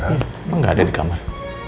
emang gak ada di kamar